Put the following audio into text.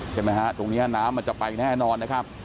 ใช่ไหมฮะตรงนี้น้ำมันจะไปแน่นอนนะครับ